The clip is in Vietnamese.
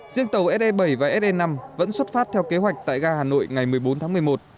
riêng tàu se bảy và se năm vẫn xuất phát theo kế hoạch tại ga hà nội ngày một mươi bốn tháng một mươi một